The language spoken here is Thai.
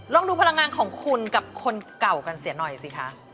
ลองดูพลังงานของคุณกับคนเก่ากันเสียหน่อยสิคะ